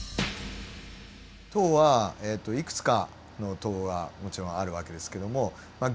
糖はいくつかの糖がもちろんある訳ですけどもまあ